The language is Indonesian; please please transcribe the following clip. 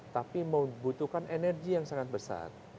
tapi membutuhkan energi yang sangat besar